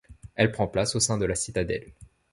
Elle prend place au sein de la citadelle.